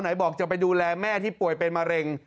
ไหนบอกจะไปดูแลแม่ที่ป่วยเป็นมะเร็ง